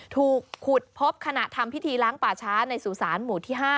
ถูกขุดพบขณะทำพิธีล้างป่าช้าในสุสานหมู่ที่๕